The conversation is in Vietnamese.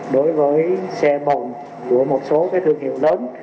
đối với xe bồn của một số thương hiệu lớn